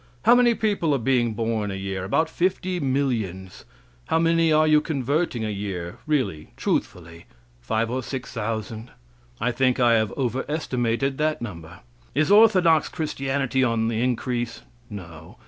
How many people are being born a year? About fifty millions. How many are you converting a year; really, truthfully? Five or six thousand. I think I have overestimated the number. Is orthodox Christianity on the increase? No.